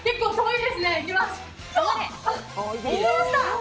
いけました。